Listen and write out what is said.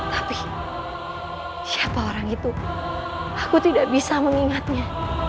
tapi siapa orang itu aku tidak bisa mengingatnya